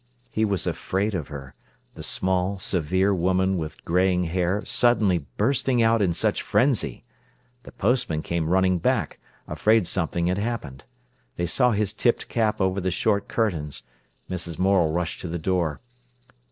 He was afraid of her—the small, severe woman with graying hair suddenly bursting out in such frenzy. The postman came running back, afraid something had happened. They saw his tipped cap over the short curtains. Mrs. Morel rushed to the door.